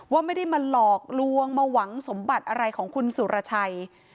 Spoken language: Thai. ว่าไม่ได้มาหลอกลวงมาหวังสมบัติอะไรของคุณสุรชัย